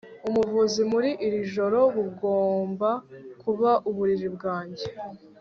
Ubuvuzi muri iri joro bugomba kuba uburiri bwanjye